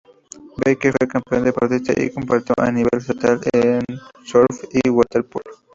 Baker fue campeón deportista y compitió a nivel estatal en surf y water polo.